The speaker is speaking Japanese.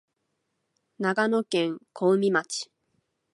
長野県小海町